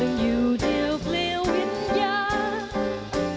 และการแสดงของอาจารย์ภาษาธรรมดินทรัพย์